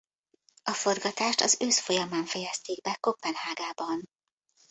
A forgatást az ősz folyamán fejezték be Koppenhágában.